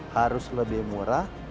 harus lebih murah